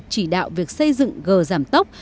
chỉ đạo việc xây dựng gờ giảm tốc